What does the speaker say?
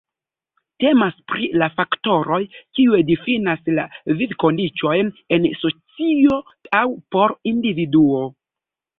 Temas pri la faktoroj, kiuj difinas la vivkondiĉojn en socio aŭ por individuo.